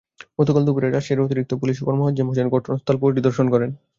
গতকাল দুপুরে রাজশাহীর অতিরিক্ত পুলিশ সুপার মোয়াজ্জেম হোসেন ঘটনাস্থল পরিদর্শন করেন।